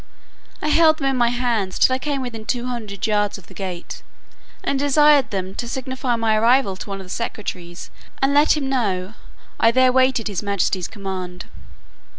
I held them in my hands, till I came within two hundred yards of the gate, and desired them "to signify my arrival to one of the secretaries, and let him know, I there waited his majesty's command."